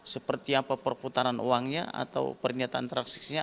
seperti apa perputaran uangnya atau pernyataan traksisnya